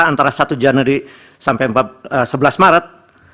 antara satu januari sampai sebelas maret